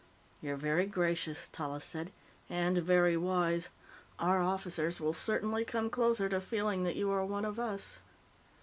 "You're very gracious," Tallis said. "And very wise. Our officers will certainly come closer to feeling that you are one of us."